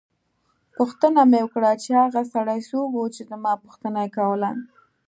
پوښتنه مې وکړه چې هغه سړی څوک وو چې زما پوښتنه یې کوله.